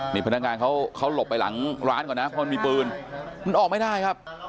นี่พนักงานเขาหลบไปหลังร้านก่อนนะเพราะมันมีปืนมันออกไม่ได้ครับ